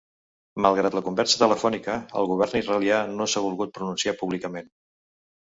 Malgrat la conversa telefònica, el govern israelià no s’ha volgut pronunciar públicament.